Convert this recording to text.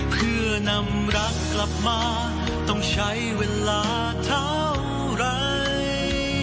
เพื่อนำรักกลับมาต้องใช้เวลาเท่าไร